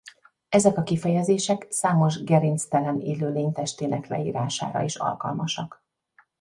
Ezek a kifejezések számos gerinctelen élőlény testének leírására is alkalmasak.